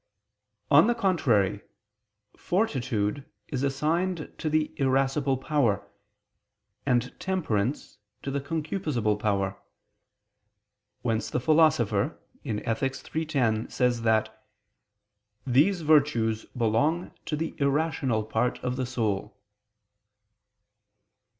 On the contrary, Fortitude is assigned to the irascible power, and temperance to the concupiscible power. Whence the Philosopher (Ethic. iii, 10) says that "these virtues belong to the irrational part of the soul."